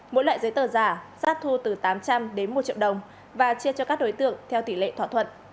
mỗi loại giấy tờ giả sát thu từ tám trăm linh đến một triệu đồng và chia cho các đối tượng theo tỷ lệ thỏa thuận